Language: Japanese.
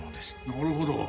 なるほど。